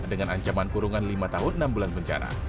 dengan ancaman kurungan lima tahun enam bulan penjara